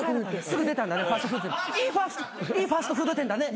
すぐ出たんだね。